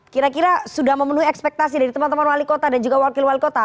kira kira sudah memenuhi ekspektasi dari teman teman wali kota dan juga wakil wali kota